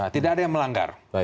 tidak ada yang melanggar